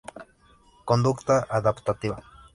Conducta adaptativa.